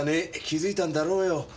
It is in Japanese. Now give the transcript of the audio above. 気づいたんだろうよ。